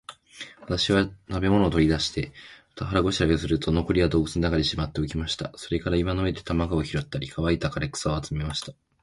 私は食物を取り出して、腹ごしらえをすると、残りは洞穴の中にしまっておきました。それから岩の上で卵を拾ったり、乾いた枯草を集めました。